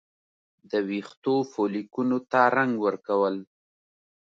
د ویښتو فولیکونو ته رنګ ورکول